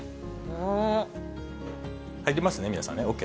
入りますね、皆さんね、ＯＫ。